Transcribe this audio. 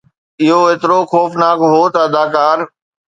اهو ايترو خوفناڪ هو ته اداڪار